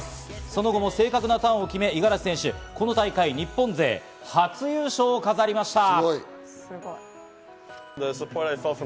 その後も正確なターンを決め、五十嵐選手、この大会、日本勢初優勝を飾りました。